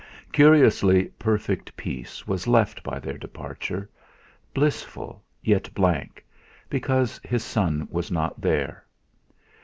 Curiously perfect peace was left by their departure; blissful, yet blank, because his son was not there.